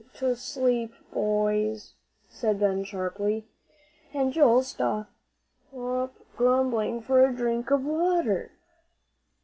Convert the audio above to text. "Go to sleep, boys," said Ben, sharply. "And Joe, stop grumbling for a drink of water.